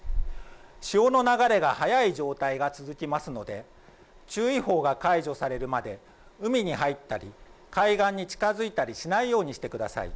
潮の流れが速い状態が続きますので注意報が解除されるまで海に入ったり海岸に近づいたりしないようにしてください。